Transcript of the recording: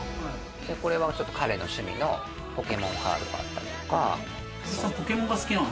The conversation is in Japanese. これは彼の趣味のポケモンカードがあったりとか。